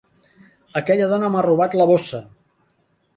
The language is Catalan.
Aquella dona m'ha robat la bossa!